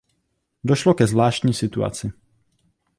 Došlo ke zvláštní situaci.